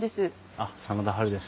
あっ真田ハルです。